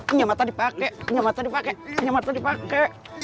ini yang matanya dipake ini yang matanya dipake ini yang matanya dipake